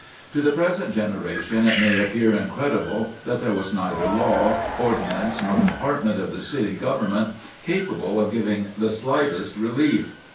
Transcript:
To the present generation it may appear incredible that there was neither law, ordinance, nor department of the city government capable of giving the slightest relief.